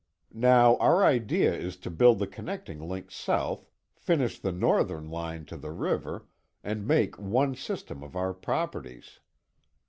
Now our idea is to build the connecting link south, finish the Northern line to the river, and make one system of our properties.